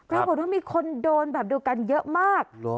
ก็บอกว่ามีคนโดนดูกันเยอะมาก